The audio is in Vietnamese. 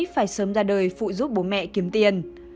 phải sớm ra đời phụ giúp bố mẹ kiếm tiền